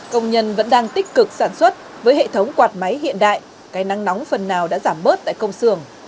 công nhân vẫn đang tích cực sản xuất với hệ thống quạt máy hiện đại cây nắng nóng phần nào đã giảm bớt tại công sưởng